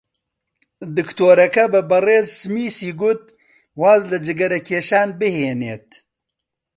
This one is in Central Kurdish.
دکتۆرەکە بە بەڕێز سمیسی گوت واز لە جگەرەکێشان بهێنێت.